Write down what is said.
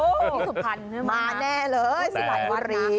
นี่สุขภัณฑ์มาแน่เลยสวัสดี